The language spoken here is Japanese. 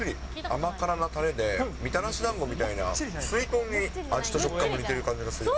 甘辛なたれで、みたらしだんごみたいな、すいとんに味と食感が似てる気がする。